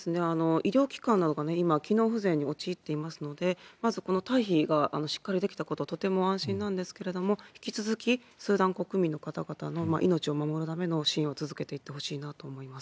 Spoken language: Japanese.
医療機関などが今、機能不全に陥っていますので、まずこの退避がしっかりできたことはとても安心なんですけれども、引き続きスーダン国民の方々の命を守るための支援を続けていってほしいなと思います。